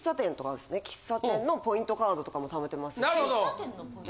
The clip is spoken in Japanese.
喫茶店のポイントカードとかも貯めてますし。